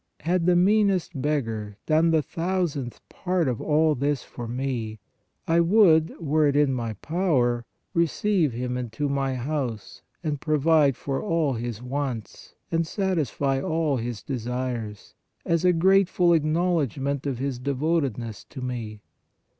Had the meanest beggai done the thousandth part of all this for me, I would, were it in my power, receive him into my house and provide for all his wants and satisfy all his desires, as a grateful acknowledgment of his devotedness to me.